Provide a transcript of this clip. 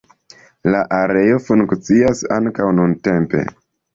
La areo funkcias ankaŭ nuntempe.